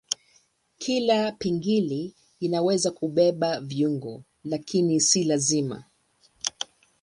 Kila pingili inaweza kubeba viungo lakini si lazima.